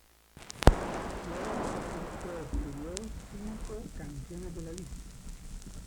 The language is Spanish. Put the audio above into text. Lloyd coescribió cinco canciones de la lista.